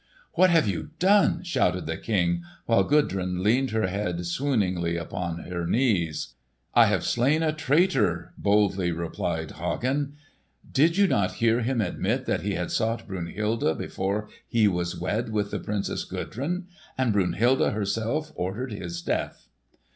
"What have you done?" shouted the King, while Gudrun leaned her head swooningly upon her knees. "I have slain a traitor!" boldly replied Hagen. "Did you not hear him admit that he had sought Brunhilde before he was wed with the Princess Gudrun? And Brunhilde herself ordered his death."